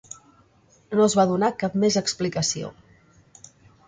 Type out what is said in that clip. No es va donar cap més explicació.